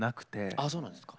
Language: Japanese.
あそうなんですか。